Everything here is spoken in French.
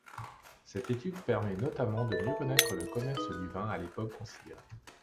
Cette étude permet notamment de mieux connaître le commerce du vin à l'époque considérée.